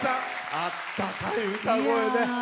あったかい歌声で。